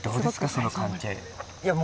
その関係。